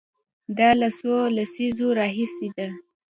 دا له څو لسیزو راهیسې ده.